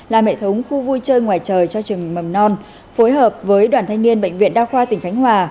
làm hệ thống khu vui chơi ngoài trời cho trường mầm non phối hợp với đoàn thanh niên bệnh viện đa khoa tỉnh khánh hòa